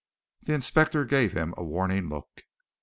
The inspector gave him a warning look.